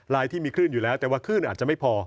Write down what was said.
ที่มีคลื่นอยู่แล้วแต่ว่าคลื่นอาจจะไม่พอ